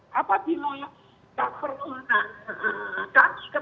jadi apabila tak pernah kaps kepada kpk untuk yang bersyakutan mendapatkan asimilasi